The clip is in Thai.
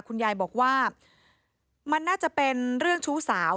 คุณยายบอกว่ามันน่าจะเป็นเรื่องชู้สาว